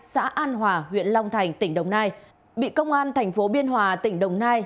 xã an hòa huyện long thành tỉnh đồng nai bị công an tp biên hòa tỉnh đồng nai